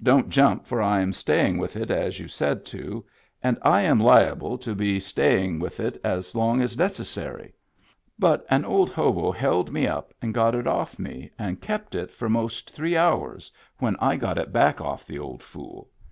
Don't jump for I am staying with it as you said to and I am liable to be stay Digitized by Google 88 MEMBERS OF THE FAMILY ing with it as long as necessary but an old hobo held me up and got it off me and kept it for most three hours when I got it back off the old fool.